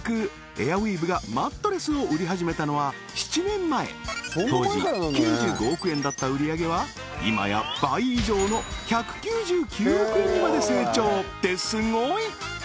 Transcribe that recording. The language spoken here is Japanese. エアウィーヴがマットレスを売り始めたのは７年前当時９５億円だった売り上げは今や倍以上の１９９億円にまで成長ってすごい！